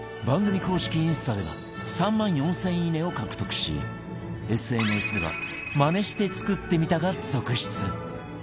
番組公式インスタでは３万４０００「いいね」を獲得し ＳＮＳ では「マネして作ってみた」が続出